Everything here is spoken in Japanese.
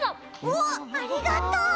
おっありがとう！